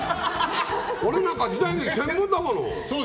俺なんか時代劇専門だもの。